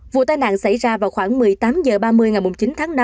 vụ tai nạn xảy ra vào khoảng một mươi tám h ba mươi ngày chín tháng năm